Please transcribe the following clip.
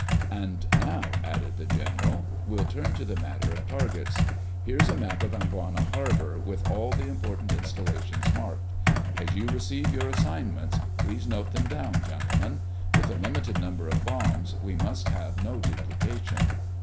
"And now," added the general, "we'll turn to the matter of targets. Here's a map of Amboina Harbor, with all the important installations marked. As you receive your assignments, please note them down, gentlemen. With a limited number of bombs, we must have no duplication."